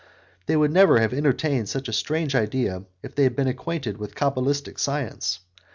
They never would have entertained such a strange idea if they had been acquainted with cabalistic science.